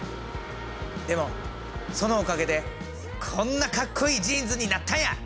でもそのおかげでこんなかっこいいジーンズになったんや！